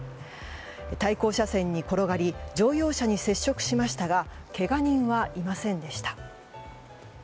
対向車線に転がり乗用車に接触しましたがけが人はいませんでした。